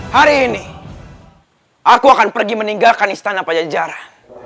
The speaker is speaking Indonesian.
hari ini aku akan pergi meninggalkan istana pajajaran